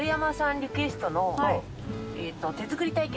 リクエスト手作り体験。